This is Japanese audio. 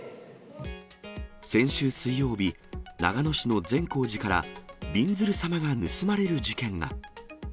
先週水曜日、長野市の善光寺から、びんずる様が盗まれる事件が。